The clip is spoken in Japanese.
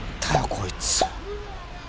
こいつ。